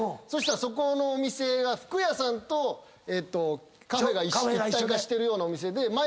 そしたらそこのお店が服屋さんとカフェが一体化してるようなお店で。